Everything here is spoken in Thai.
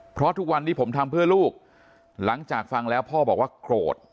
เพราะทุกวันนี้ผมทำเพื่อลูกหลังจากฟังแล้วพ่อบอกว่าโกรธ